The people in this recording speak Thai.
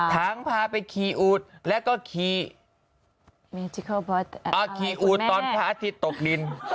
ทั้งพาไปขี่อูดแล้วก็ขี่อูดตอนพระอาทิตย์ตกดิน